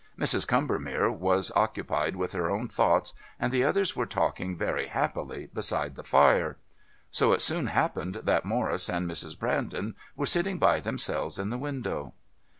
Mrs. Combermere was occupied with her own thoughts and the others were talking very happily beside the fire, so it soon happened that Morris and Mrs. Brandon were sitting by themselves in the window.